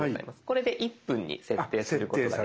これで１分に設定することが。